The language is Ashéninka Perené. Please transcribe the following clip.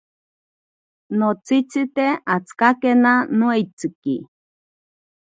Notsitsite atsikakena noeitsiki.